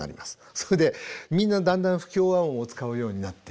それでみんなだんだん不協和音を使うようになっていく。